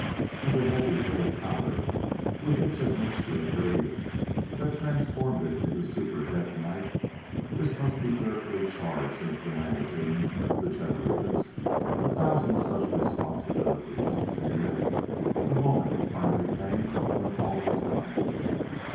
And the heavy, gray powder with its admixture of radium that transformed it to super detonite this must be carefully charged into the magazines of the generators. A thousand such responsibilities and yet the moment finally came when all was done.